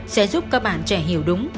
sẽ giúp các bạn trẻ hiểu đúng